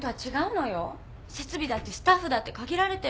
設備だってスタッフだって限られてる。